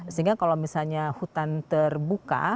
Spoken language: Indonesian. sehingga kalau misalnya hutan terbuka